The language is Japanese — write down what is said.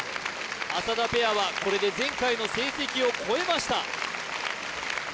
浅田ペアはこれで前回の成績を超えました